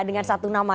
dengan satu nama